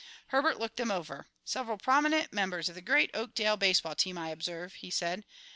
Herbert looked them over. "Several prominent members of the great Oakdale baseball team, I observe," he said.